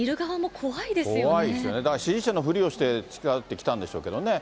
怖いですよね、だから支持者のふりをして近寄ってきたんでしょうけどね。